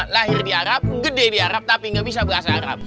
lahir di arab gede di arab tapi nggak bisa bahasa arab